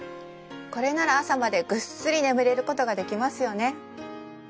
これなら朝までぐっすり眠れることができますよね